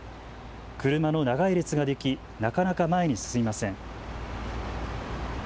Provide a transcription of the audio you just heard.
車の長い列ができなかなか前に進みません。